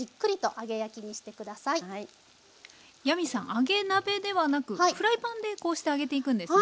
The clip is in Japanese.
揚げ鍋ではなくフライパンでこうして揚げていくんですね。